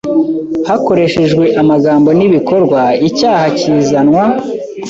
hakoreshejwe amagambo n’ibikorwa, icyaha kizanwa